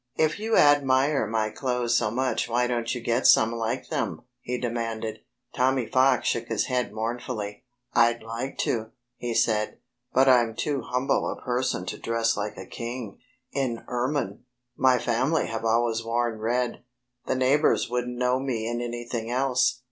"If you admire my clothes so much why don't you get some like them?" he demanded. Tommy Fox shook his head mournfully. "I'd like to," he said, "but I'm too humble a person to dress like a king, in ermine. My family have always worn red. The neighbors wouldn't know me in anything else.